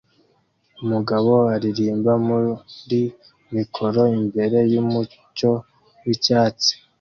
Umugabo aririmba muri mikoro imbere yumucyo wicyatsi